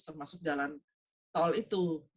termasuk jalan tol itu